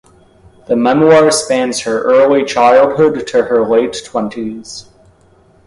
The memoir spans her early childhood to her late twenties.